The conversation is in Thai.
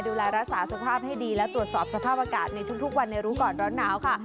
ดูแลรักษาสภาพให้ดีและตรวจสอบสภาพอากาศในทุกวันในรู้ก่อนร้อนหนาวค่ะ